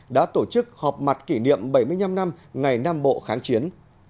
đã tổ chức họp mặt kỷ niệm bảy mươi năm năm ngày nam bộ kháng chiến